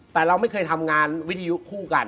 แต่เราไม่เคยทำงานคู่กัน